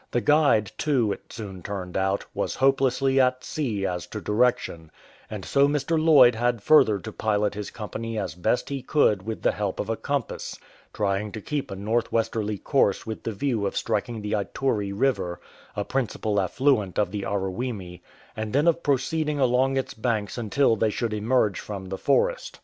The guide, too, it soon turned out, was hopelessly at sea as to direction ; and so Mr. Lloyd had further to pilot his company as best he could with the help of a compass, trying to keep a north westerly course with the view of striking the Ituri river, a principal affluent of the Aruwimi, and then of proceeding along its banks until they should emerge from the forest.